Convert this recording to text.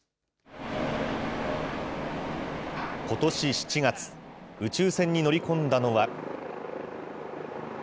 ことし７月、宇宙船に乗り込んだのは。